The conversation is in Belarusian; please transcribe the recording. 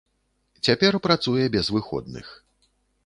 Цяпер працуе без выходных.